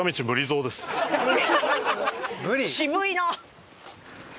渋いな。